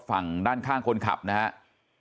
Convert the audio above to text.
ฝั่งด้านข้างคนขับนะครับ